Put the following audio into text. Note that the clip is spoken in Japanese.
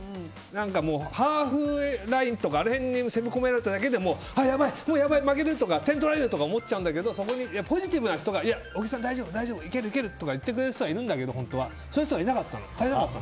ハーフラインとかあの辺に攻め込まれただけでやばい、もう負けるとか点取られるとか思っちゃうんだけどそこにポジティブな人がいれば小木さん、大丈夫いけるって言ってくれる人が本当はいるんだけどその人が足りなくて。